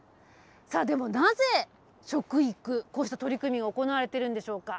でもなぜ食育、こうした取り組み行われているんでしょうか。